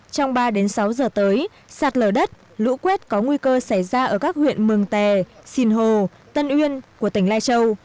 trong ba đến sáu giờ tới sạt lở đất lũ quét có nguy cơ xảy ra ở các huyện mường tè sìn hồ tân uyên của tỉnh lai châu